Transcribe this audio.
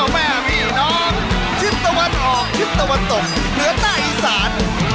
เหนือใต้อีสานออเบอร์โตมหาสมุทรมาแล้ว